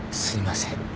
すいません。